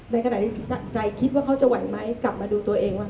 ในขณะที่ใจคิดว่าเขาจะไหวไหมกลับมาดูตัวเองว่า